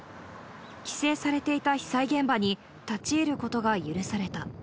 規制されていた被災現場に立ち入ることが許された。